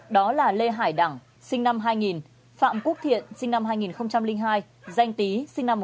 đó là lê hải đẳng sinh năm hai nghìn phạm quốc thiện sinh năm hai nghìn hai danh tý sinh năm một nghìn chín trăm tám mươi